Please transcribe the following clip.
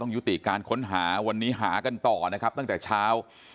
ยุติการค้นหาวันนี้หากันต่อนะครับตั้งแต่เช้า